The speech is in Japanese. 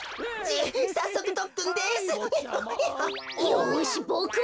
よしボクも！